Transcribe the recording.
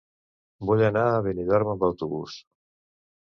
Vull anar a Benidorm amb autobús.